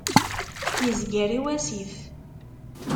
Yezger i wasif.